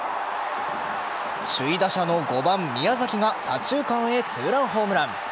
首位打者の５番・宮崎が左中間へ２ランホームラン。